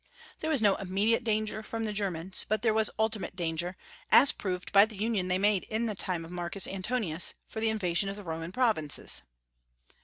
There was no immediate danger from the Germans; but there was ultimate danger, as proved by the union they made in the time of Marcus Antoninus for the invasion of the Roman provinces.